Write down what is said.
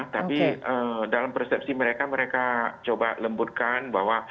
tapi dalam persepsi mereka mereka coba lembutkan bahwa